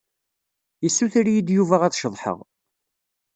Yessuter-iyi-d Yuba ad ceḍḥeɣ.